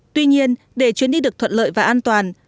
tuy nhiên để chuyến đi được thuận lợi và an toàn